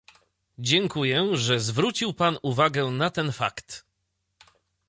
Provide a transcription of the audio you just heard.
Dziękuję, że zwrócił Pan uwagę na ten fakt